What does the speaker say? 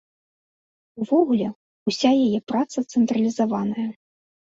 Увогуле, уся яе праца цэнтралізаваная.